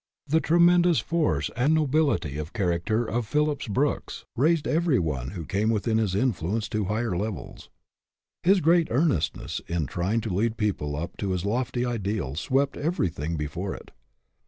The tremendous force and no bility of character of Phillips Brooks raised every one who came within his influence to higher levels. His great earnestness in trying to lead people up to his lofty ideals swept everything before it.